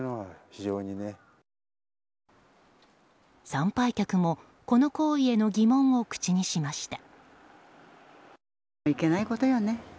参拝客も、この行為への疑問を口にしました。